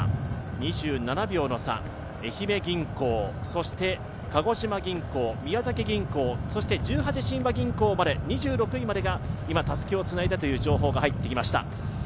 ２７秒の差、愛媛銀行、そして鹿児島銀行そして宮崎銀行、そして十八親和銀行まで、２６位までが今、たすきをつないだという情報が入ってきました。